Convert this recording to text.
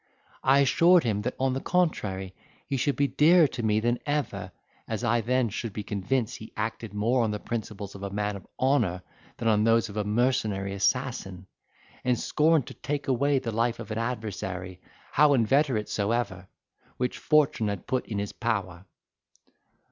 I assured him, that on the contrary, he should be dearer to me than ever, as I then should be convinced he acted more on the principles of a man of honour than on those of a mercenary assassin, and scorned to take away the life of an adversary, how inveterate soever, which fortune had put in his power.